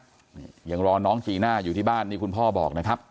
นี่ยังรอน้องจีน่าอยู่ที่บ้านนี่คุณพ่อบอกนะครับ